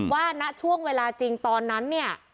ณช่วงเวลาจริงตอนนั้นเนี่ย